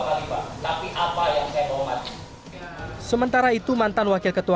ketua kpk m yassin meragukan efektivitas kunjungan ini untuk memperoleh informasi kendati ia menyatakan menghormati kebutuhan